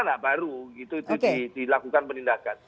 nah baru gitu itu dilakukan penindakan